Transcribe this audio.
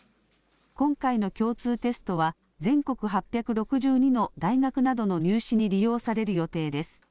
今回の共通テストは全国８６２の大学などの入試に利用される予定です。